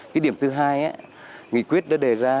cái điểm thứ hai nghị quyết đã đề ra